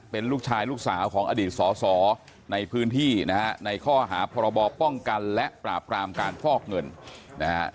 เป็นลูกชายลูกสาวของอดีตสอสอในพื้นที่นะฮะในข้อหาพรบป้องกันและปราบกรามการฟอกเงินนะฮะ